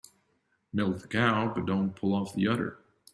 Milk the cow but don't pull off the udder.